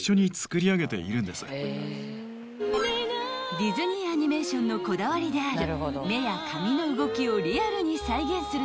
［ディズニー・アニメーションのこだわりである］